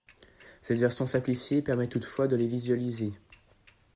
Cette version simplifiée permet toutefois de les visualiser.